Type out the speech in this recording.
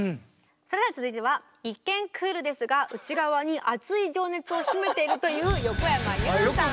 それでは続いては一見クールですが内側に熱い情熱を秘めているという横山裕さん。